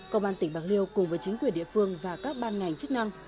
công an tỉnh bạc liêu cùng với chính quyền địa phương và các ban ngành chức năng